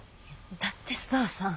だって須藤さん。